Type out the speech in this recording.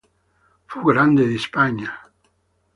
Fu Grande di Spagna.